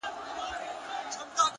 هوښیار فکر بې ځایه شخړې کموي,